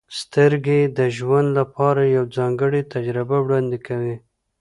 • سترګې د ژوند لپاره یوه ځانګړې تجربه وړاندې کوي.